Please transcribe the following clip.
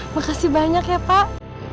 makasih banyak ya pak